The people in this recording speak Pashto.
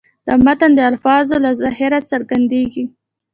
د متن د الفاظو له ظاهره څرګندېږي.